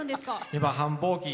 今、繁忙期。